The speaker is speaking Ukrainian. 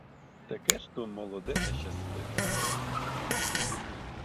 Таке ж то молоде та щасливе!